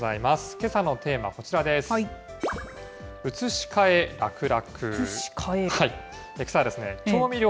けさのテーマこちらです。